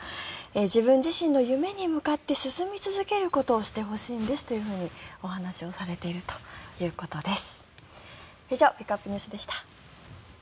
自分自身の夢に向かって進み続けることをしてほしいんですというふうにお話をされているということです。